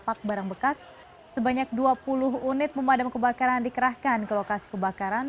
untuk barang bekas sebanyak dua puluh unit pemadam kebakaran dikerahkan ke lokasi kebakaran